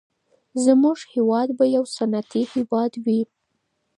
زموږ هېواد به يو صنعتي هېواد وي.